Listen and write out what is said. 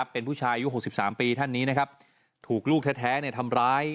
เป็นผู้ชายอายุ๖๓ปีท่านนี้นะครับถูกลูกแท้ทำร้าย